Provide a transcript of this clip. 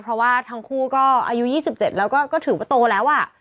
เพราะว่าทั้งคู่ก็อายุ๒๗แล้วก็ถือว่าโตแล้ว